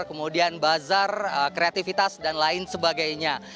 kemudian bazar kreativitas dan lain sebagainya